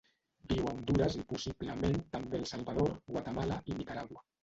Viu a Hondures i possiblement també al Salvador, Guatemala i Nicaragua.